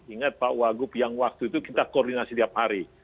ingat pak wagub yang waktu itu kita koordinasi tiap hari